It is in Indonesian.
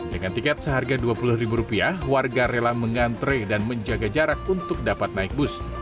dengan tiket seharga dua puluh ribu rupiah warga rela mengantre dan menjaga jarak untuk dapat naik bus